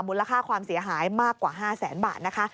มูลค่าความเสียหายมากกว่า๕แสนบาทนะคะ